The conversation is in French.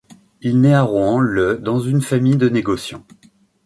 Il nait à Rouen le dans une famille de négociants.